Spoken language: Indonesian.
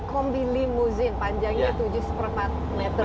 kombi limousine panjangnya tujuh empat meter ya